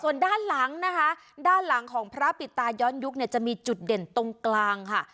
ส่วนด้านหลังนะคะด้านหลังของพระปิดตาย้อนยุคเนี่ยจะมีจุดเด่นตรงกลางค่ะ